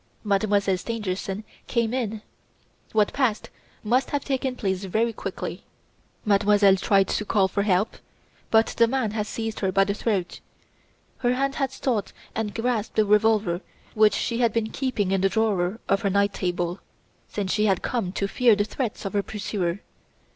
Mademoiselle Stangerson came in. What passed must have taken place very quickly. Mademoiselle tried to call for help; but the man had seized her by the throat. Her hand had sought and grasped the revolver which she had been keeping in the drawer of her night table, since she had come to fear the threats of her pursuer.